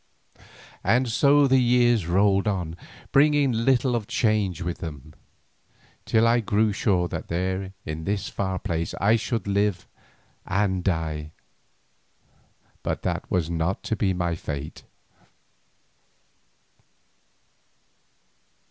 And so the years rolled on, bringing little of change with them, till I grew sure that here in this far place I should live and die. But that was not to be my fate.